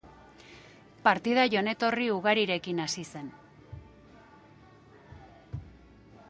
Partida joan etorri ugarirekin hasi zen.